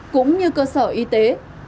cũng như cơ sở y tế